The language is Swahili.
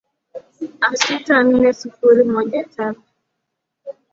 a sita nne sufuri moja tano